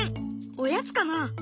おやつかな？